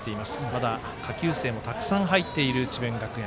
まだ、下級生もたくさん入っている智弁学園